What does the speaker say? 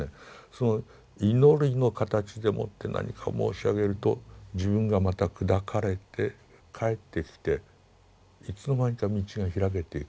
その祈りの形でもって何かを申し上げると自分がまた砕かれて返ってきていつの間にか道が開けていく。